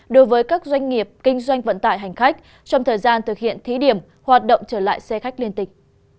đối với các doanh nghiệp kinh doanh vận tải hành khách trong thời gian thực hiện thí điểm hoạt động trở lại xe khách liên tịch